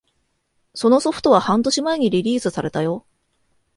そのソフトは半年前にリリースされたよ